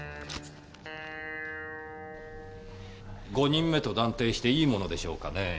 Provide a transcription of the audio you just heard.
５人目と断定していいものでしょうかねぇ？